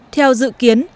theo dự kiến